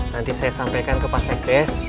nanti saya sampaikan ke pasak des